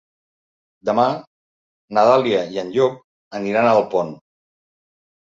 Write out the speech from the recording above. Demà na Dàlia i en Llop aniran a Alpont.